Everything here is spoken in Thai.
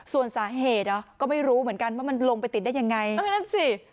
ส่วนสาเหตุก็ไม่รู้เหมือนกันว่ามันลงไปติดได้ยังไงเออนั่นสิ